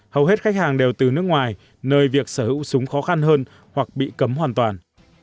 hầu hết khách hàng đều từ nước ngoài nơi việc sở hữu súng khó khăn hơn hoặc bị cấm hoàn toàn